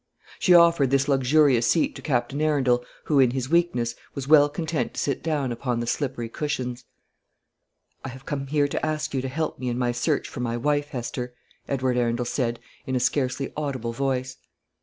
She offered this luxurious seat to Captain Arundel, who, in his weakness, was well content to sit down upon the slippery cushions. "I have come here to ask you to help me in my search for my wife, Hester," Edward Arundel said, in a scarcely audible voice.